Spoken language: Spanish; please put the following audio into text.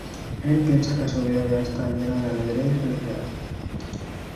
Él piensa que su vida ya está llena de alegría y felicidad.